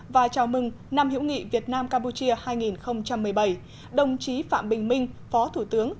và chào mừng năm hữu nghị việt nam campuchia hai nghìn một mươi bảy đồng chí phạm bình minh phó thủ tướng